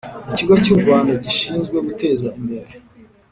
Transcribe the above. Ikigo cy u Rwanda gishinzwe guteza imbere